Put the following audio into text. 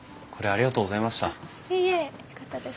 あっいいえよかったです。